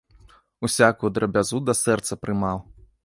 Усякую драбязу да сэрца прымаў.